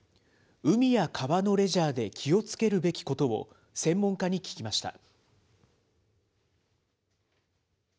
海や川のレジャーで気をつけるべきことを専門家に聞きました。